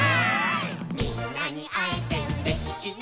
「みんなにあえてうれしいな」